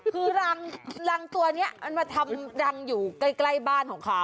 คือรังตัวนี้มันมาทำรังอยู่ใกล้บ้านของเขา